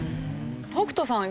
北斗さん